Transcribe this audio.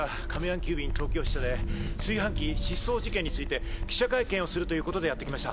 急便東京支社で炊飯器事件、失踪事件について記者会見をするということでやってきました。